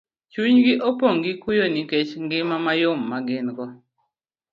chunygi opong' gi kuyo nikech ngima mayom ma gin go.